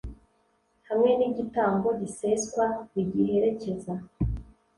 hamwe n’igitambo giseswa bigiherekeza.